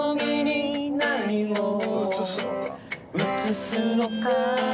「うつすのか」